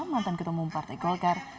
mantan ketumum partai golkar